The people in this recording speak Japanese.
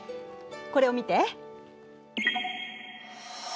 これを見て。